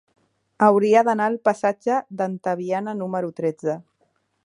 Hauria d'anar al passatge d'Antaviana número tretze.